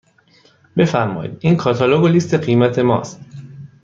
بفرمایید این کاتالوگ و لیست قیمت ماست.